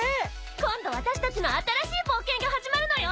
今度私たちの新しい冒険が始まるのよ。